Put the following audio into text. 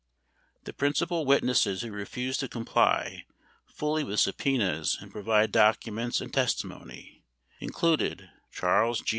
The principal wit nesses who refused to comply fuily with subpenas and provide docu ments and testimony included Charles G.